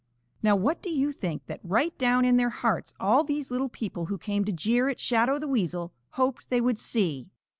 ] Now what do you think that right down in their hearts all these little people who came to jeer at Shadow the Weasel hoped they would see?